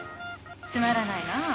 つまらないな。